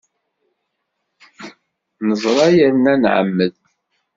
Neẓra yerna nɛemmed!